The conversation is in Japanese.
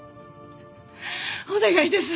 お願いです